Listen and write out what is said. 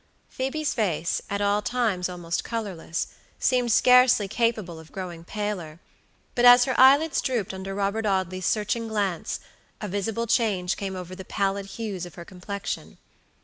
Phoebe's face, at all times almost colorless, seemed scarcely capable of growing paler; but as her eyelids drooped under Robert Audley's searching glance, a visible change came over the pallid hues of her complexion.